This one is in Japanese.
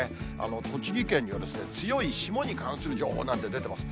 栃木県には強い霜に関する情報なんて出てます。